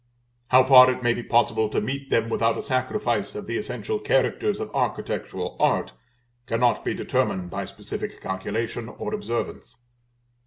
How far it may be possible to meet them without a sacrifice of the essential characters of architectural art, cannot be determined by specific calculation or observance.